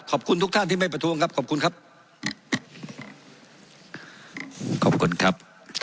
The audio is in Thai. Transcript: ขอบคุณทุกท่านที่ไม่ประท้วงครับขอบคุณครับขอบคุณครับ